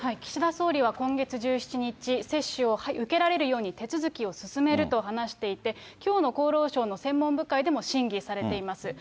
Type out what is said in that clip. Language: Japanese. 岸田総理は今月１７日、接種を受けられるように手続きを進めると話していて、きょうの厚労省の専門部会でも審議されています。